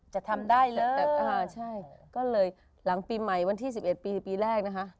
จะทำได้เลยแบบอ่าใช่ก็เลยหลังปีใหม่วันที่๑๑ปีปีแรกนะคะ